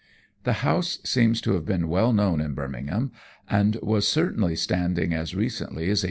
The house seems to have been well known in Birmingham, and was certainly standing as recently as 1885.